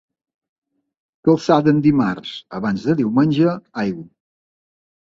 Calçada en dimarts, abans de diumenge, aigua.